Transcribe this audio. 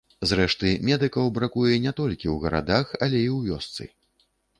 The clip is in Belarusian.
Зрэшты, медыкаў бракуе не толькі ў гарадах, але і ў вёсцы.